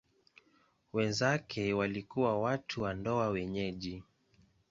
Wenzake walikuwa watu wa ndoa wenyeji.